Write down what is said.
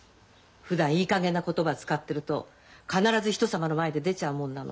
ふだんいいかげんな言葉使ってると必ず人様の前で出ちゃうもんなの。